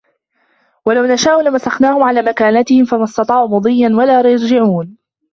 وَلَو نَشاءُ لَمَسَخناهُم عَلى مَكانَتِهِم فَمَا استَطاعوا مُضِيًّا وَلا يَرجِعونَ